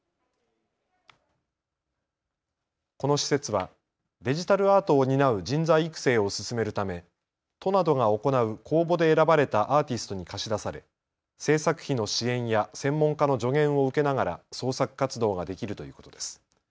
この施設はデジタルアートを担う人材育成を進めるため、都などが行う公募で選ばれたアーティストに貸し出され、制作費の支援や専門家の助言を受けながら創作活動ができるということです。